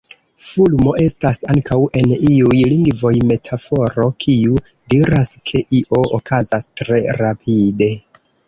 Fulmo estas ankaŭ en iuj lingvoj metaforo, kiu diras ke io okazas tre rapide.